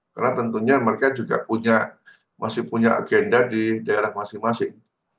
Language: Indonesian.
karena tentunya mereka juga punya masih punya agenda di daerah masing masing